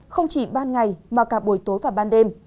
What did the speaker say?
không chỉ ban ngày mà cả buổi tối và ban đêm